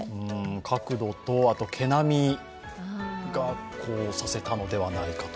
角度とあと毛並みがこうさせたのではないかと。